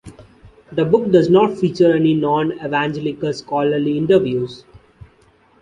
The book does not feature any non-evangelical scholarly interviews.